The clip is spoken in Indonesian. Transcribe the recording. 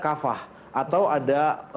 kavah atau ada